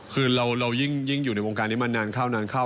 คือเรายิ่งอยู่ในวงการนี้มานานเข้านานเข้า